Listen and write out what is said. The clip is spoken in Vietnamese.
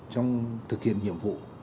trong thực hiện nhiệm vụ